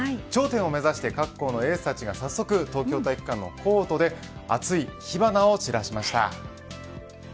頂点を目指して各校のエースたちが、早速東京体育館のコートで熱い火花を散らしました。